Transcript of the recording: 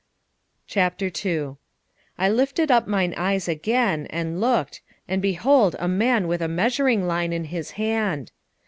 2:1 I lifted up mine eyes again, and looked, and behold a man with a measuring line in his hand.